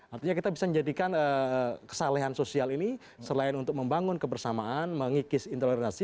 artinya kita bisa menjadikan kesalahan sosial ini selain untuk membangun kebersamaan mengikis intoleransi